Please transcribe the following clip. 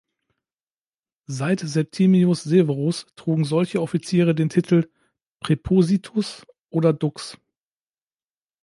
Seit Septimius Severus trugen solche Offiziere den Titel "praepositus" oder "dux".